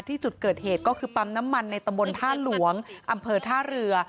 ที่จุดเกิดเหตุก็คือปั๊มน้ำมันในตำบลท่าหลวงอำเภอท่าเรือ